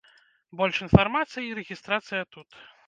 Больш інфармацыі і рэгістрацыя тут.